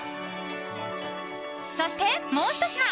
そしてもうひと品。